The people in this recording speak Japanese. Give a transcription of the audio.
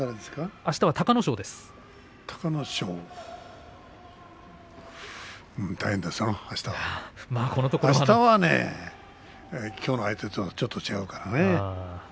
あしたはきょうの相手とはちょっと違うからね。